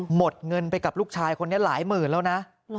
หมดเงินไปกับลูกชายคนนี้หลายหมื่นแล้วนะ